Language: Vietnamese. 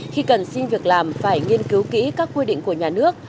khi cần xin việc làm phải nghiên cứu kỹ các quy định của nhà nước